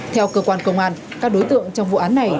theo cơ quan công an các đối tượng trong vụ án này